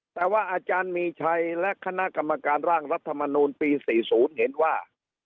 แต่ว่าอาจารย์มีชัยและคณะกรรมการร่างรัฐมนูลปี๔๐เห็นว่า